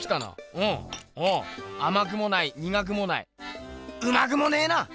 うんおおあまくもないにがくもないうまくもねえな！